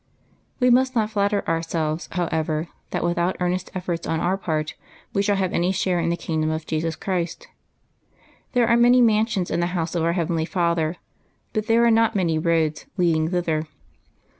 We must not flatter ourselves, however, that without earnest efforts on our part we shall have any share in the kingdom of Jesus Christ. There are many mansions in the house of our heavenly Father, but there are not many roads leading thither.